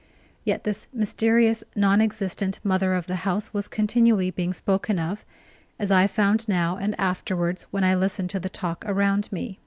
Yet this mysterious non existent mother of the house was continually being spoken of, as I found now and afterwards when I listened to the talk around me.